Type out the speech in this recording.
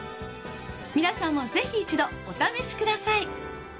皆さんも是非一度お試し下さい！